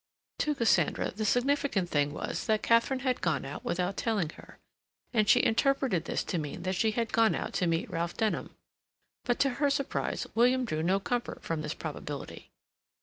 To Cassandra the significant thing was that Katharine had gone out without telling her, and she interpreted this to mean that she had gone out to meet Ralph Denham. But to her surprise William drew no comfort from this probability.